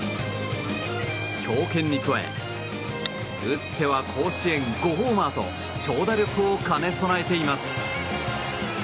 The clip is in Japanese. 強肩に加え打っては甲子園５ホーマーと長打力を兼ね備えています。